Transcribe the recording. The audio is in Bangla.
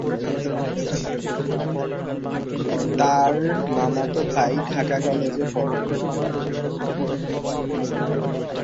তার মামাতো ভাই ঢাকা কলেজে পড়ে।